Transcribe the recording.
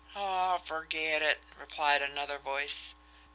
"Aw, ferget it!" replied another voice.